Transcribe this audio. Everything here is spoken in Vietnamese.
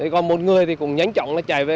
còn một người thì cũng nhanh chóng chạy về